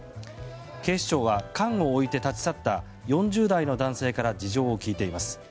警視庁は、缶を置いて立ち去った４０代の男性から事情を聴いています。